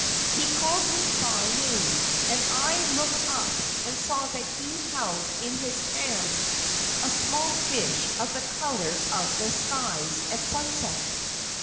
He called me by name, and I looked up and saw that he held in his hand a small fish of the color of the skies at sunset.